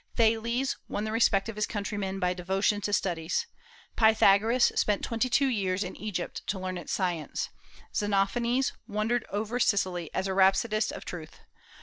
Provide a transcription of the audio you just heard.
Thales won the respect of his countrymen by devotion to studies. Pythagoras spent twenty two years in Egypt to learn its science. Xenophanes wandered over Sicily as a rhapsodist of truth.